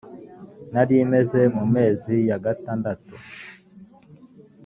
nari meze mu mezi ya gatandatu